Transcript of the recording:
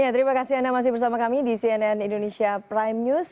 terima kasih anda masih bersama kami di cnn indonesia prime news